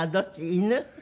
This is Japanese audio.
犬。